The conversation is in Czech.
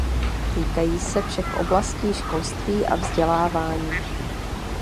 Týkají se všech oblastí školství a vzdělávání.